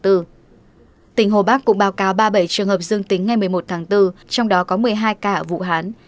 tỉnh hồ bắc cũng báo cáo ba mươi bảy trường hợp dương tính ngày một mươi một tháng bốn trong đó có một mươi hai ca ở vũ hán